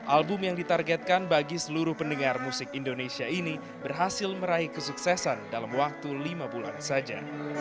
album yang ditargetkan bagi seluruh pendengar musik indonesia ini berhasil meraih kesuksesan dalam waktu lima bulan saja